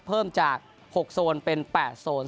เพิ่มจาก๖โซนเป็น๘โซน